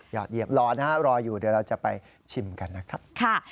อดเหยียบรอนะฮะรออยู่เดี๋ยวเราจะไปชิมกันนะครับ